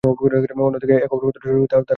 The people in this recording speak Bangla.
অন্যদিকে এ খবর কতটা সঠিক তা তাঁরা নিশ্চিত নন।